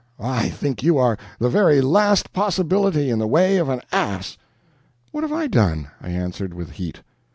I think you are the very last possibility in the way of an ass." "What have I done?" I answered, with heat.